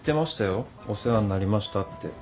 お世話になりましたって。